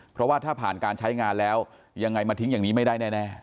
เพราะว่าถ้าผ่านการใช้งานแล้วยังไงมาทิ้งอย่างนี้ไม่ได้แน่